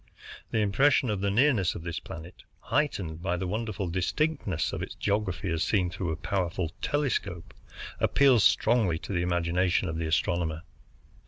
The impression of the nearness of this planet, heightened by the wonderful distinctness of its geography as seen through a powerful telescope, appeals strongly to the imagination of the astronomer.